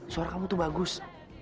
suara kamu tuh bagus